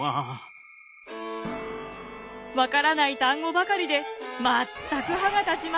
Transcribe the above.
分からない単語ばかりで全く歯が立ちません。